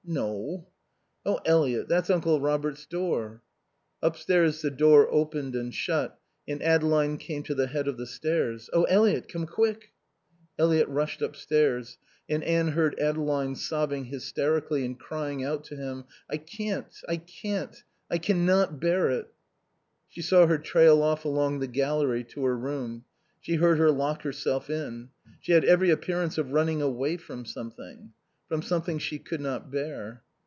"No... Oh Eliot, that's Uncle Robert's door." Upstairs the door opened and shut and Adeline came to the head of the stairs. "Oh Eliot, come quick " Eliot rushed upstairs. And Anne heard Adeline sobbing hysterically and crying out to him. "I can't I can't. I can not bear it!" She saw her trail off along the gallery to her room; she heard her lock herself in. She had every appearance of running away from something. From something she could not bear.